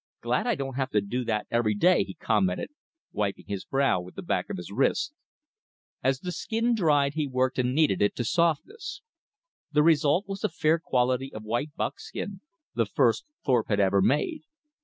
"Glad I don't have to do that every day!" he commented, wiping his brow with the back of his wrist. As the skin dried he worked and kneaded it to softness. The result was a fair quality of white buckskin, the first Thorpe had ever made.